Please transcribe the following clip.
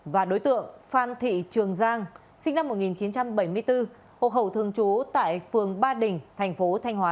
và đối tượng phan thị trường giang sinh năm một nghìn chín trăm bảy mươi bốn hộ khẩu thường trú tại phường ba đình thành phố thanh hóa